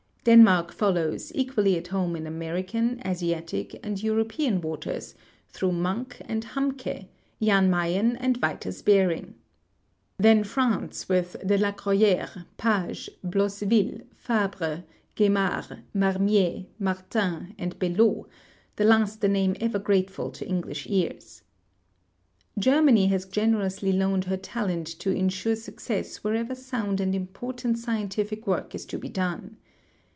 Denmark follows, equally at home in Ainerican, Asiatic, or Eu ropean waters, through Munk and Hamke, Jan Mayen and Vitus Bering. Then France wdth De la Croyere, Pages, Blosseville, Fabre, Ctaimard, Marmier, Martins, and Bellot, the last a name ever grateful to English ears. Germany has generously loaned her talent to insure success Avherever sound and important scientific work is to be done.